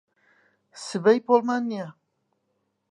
سبەی پۆلمان نییە.